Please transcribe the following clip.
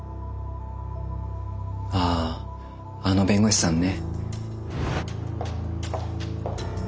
あああの弁護士さんね。